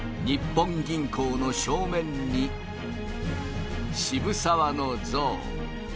日本銀行の正面に渋沢の像。